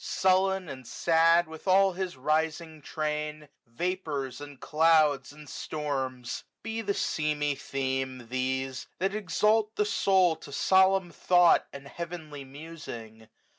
Sullen and sad, with all his rising train; Vapours, and Clouds, and Storms, Be thesejny theme; These ! that exalt the soul to solemn thought. 176 WINTER. And heavenly musing.